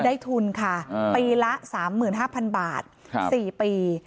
ได้ทุนค่ะปีละ๓๕๐๐๐บาท๔ปี